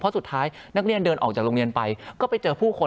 เพราะฉะนั้นทำไมถึงต้องทำภาพจำในโรงเรียนให้เหมือนกัน